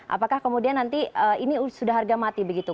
apakah kemudian nanti ini sudah harga mati begitu